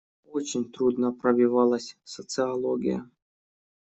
Очень трудно пробивалась социология.